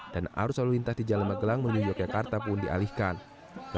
dan arus lalu lintas di jalan megelang menuju yogyakarta pun dialihkannya